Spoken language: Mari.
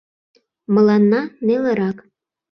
Мыланна — нелырак.